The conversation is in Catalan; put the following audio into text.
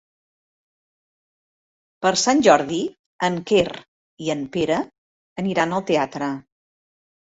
Per Sant Jordi en Quer i en Pere aniran al teatre.